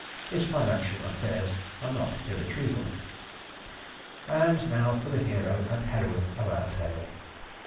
His financial affairs are not irretrievable. And now for the hero and heroine of our tale.